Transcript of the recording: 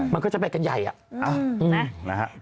มันก็จะเป็นกันใหญ่อ่ะ